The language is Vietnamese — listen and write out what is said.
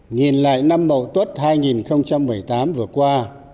nhìn lại năm mậu tuất hai nghìn một mươi tám vừa qua